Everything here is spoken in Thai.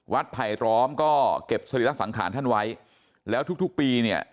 ไผลล้อมก็เก็บสรีระสังขารท่านไว้แล้วทุกทุกปีเนี่ย